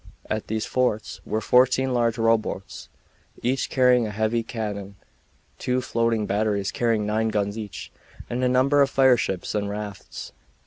At these forts were fourteen large rowboats, each carrying a heavy cannon, two floating batteries carrying nine guns each, and a number of fireships and rafts.